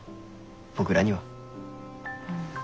僕らには。